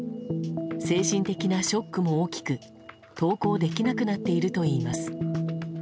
精神的なショックも大きく登校できなくなっているといいます。